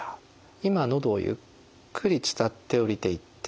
今のどをゆっくり伝って下りていってる」。